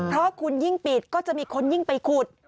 เพราะคุณยิ่งปิดก็จะมีคนยิ่งไปขุด